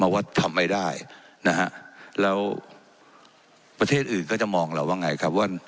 ว่าทำไม่ได้นะฮะแล้วประเทศอื่นก็จะมองเราว่าไงครับว่า